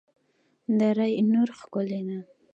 د دره نور ښکلې ده